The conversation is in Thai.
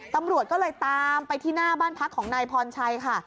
ตำรวจก็เลยตามไปที่หน้าบ้านพักของนายพรชัยค่ะ